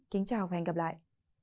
kính chào và hẹn gặp lại